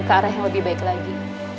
ke arah yang lebih baik lagi